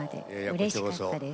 うれしかったです。